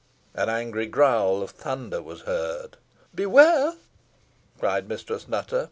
An angry growl of thunder was heard. "Beware!" cried Mistress Nutter.